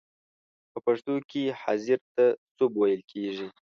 په پښتو کې حاضر ته سوب ویل کیږی.